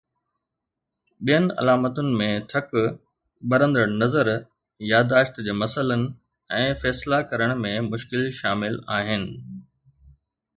ٻين علامن ۾ ٿڪ، ٻرندڙ نظر، ياداشت جي مسئلن، ۽ فيصلا ڪرڻ ۾ مشڪل شامل آهن